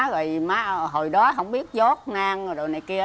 rồi má hồi đó không biết giót nang rồi đồ này kia